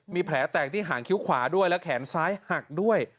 มีแผลแตกที่หางคิ้วขวาด้วยและแขนซ้ายหักด้วย